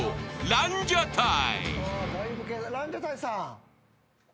ランジャタイさん？